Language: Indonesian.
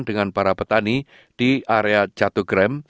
dengan para petani di area jatogrem